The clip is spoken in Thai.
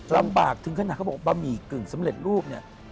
ลำบากถึงขนาดเขาบอกบะหมี่กึ่งสำเร็จรูปเนี่ย